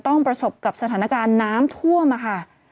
ประสบกับสถานการณ์น้ำท่วมค่ะ